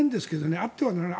あってはならない。